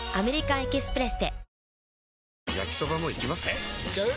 えいっちゃう？